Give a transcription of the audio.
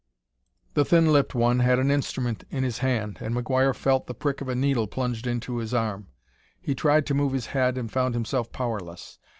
The thin lipped one had an instrument in his hand, and McGuire felt the prick of a needle plunged into his arm. He tried to move his head and found himself powerless.